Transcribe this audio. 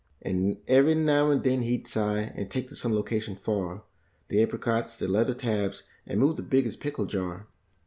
And every now and then he'd sigh and take to some location far The apricots, like leather tabs, and move the biggest pickle jar.